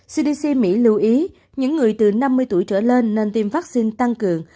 cdc mỹ lưu ý những người từ năm mươi tuổi trở lên nên tiêm vắc xin tăng cường